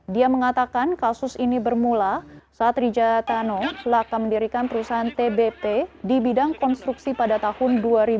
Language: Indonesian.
dia mengatakan kasus ini bermula saat rijatano laka mendirikan perusahaan tbp di bidang konstruksi pada tahun dua ribu dua